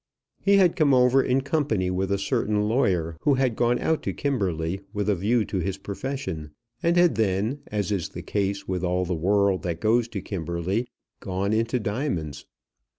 He had come over in company with a certain lawyer, who had gone out to Kimberley with a view to his profession, and had then, as is the case with all the world that goes to Kimberley, gone into diamonds.